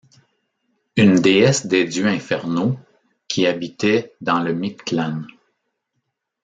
Une déesse des dieux infernaux qui habitaient dans le Mictlan.